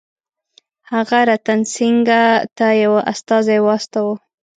هغه رتن سینګه ته یو استازی واستاوه.